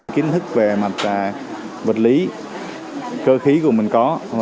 kiến thức về mặt vật lý cơ khí của mình có